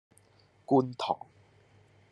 觀塘